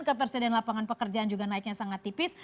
ketersediaan lapangan pekerjaan juga naiknya sangat tipis